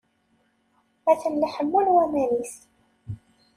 Atan la ḥemmun waman-is.